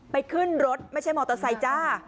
ขึ้นรถไม่ใช่มอเตอร์ไซค์จ้า